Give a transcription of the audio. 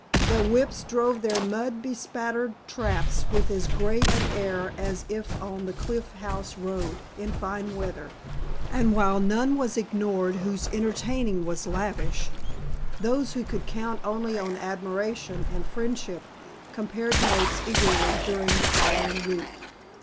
The "whips" drove their mud bespattered traps with as grand an air as if on the Cliff House Road in fine weather; and while none was ignored whose entertaining was lavish, those who could count only on admiration and friendship compared notes eagerly during the following week.